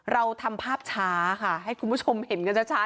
เราทำภาพช้าค่ะให้คุณผู้ชมเห็นกันช้า